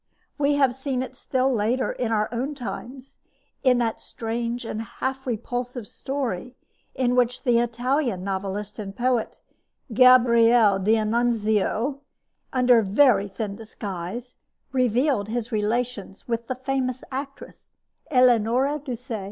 We have seen it still later in our own times, in that strange and half repulsive story in which the Italian novelist and poet, Gabriele d'Annunzio, under a very thin disguise, revealed his relations with the famous actress, Eleanora Duse.